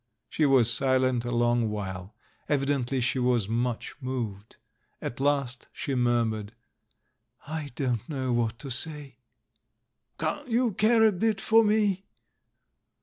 She was silent a long while ; evidently she was much moved. At last she murmured, "I don't know what to say." "Can't vou care a bit for me?"